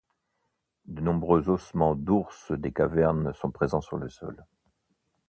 De nombreux ossements d'ours des cavernes sont présents sur le sol.